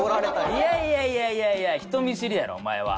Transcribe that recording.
いやいやいやいやいや人見知りやろお前は。